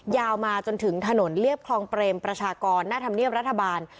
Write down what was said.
ยาวมาจนถึงถนนเรียบคลองเปรมประชากรหน้าธรรมเนียบรัฐบาล